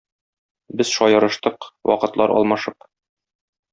Без шаярыштык, вакытлар алмашып.